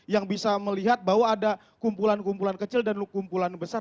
yang bisa melihat bahwa ada kumpulan kumpulan kecil dan kumpulan besar